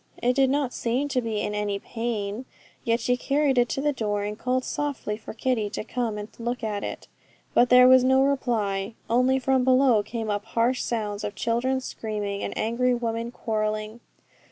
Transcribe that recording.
It did not seem to be in any pain; yet she carried it to the door, and called softly for Kitty to come and look at it; but there was no reply, only from below came up harsh sounds of children screaming and angry women quarrelling.